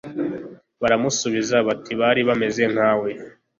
baramusubiza bati bari bameze nkawe